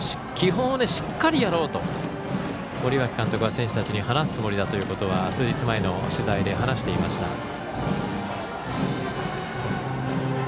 基本をしっかりやろうと森脇監督は選手たちに話すつもりだということは数日前の取材で話していました。